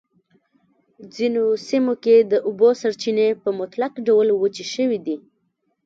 ځینو سیمو کې د اوبو سرچېنې په مطلق ډول وچې شوی دي.